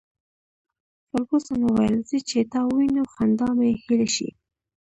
فرګوسن وویل: زه چي تا ووینم، خندا مي هېره شي.